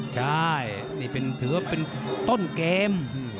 ใช่นี่ถือว่าเป็นต้นเกม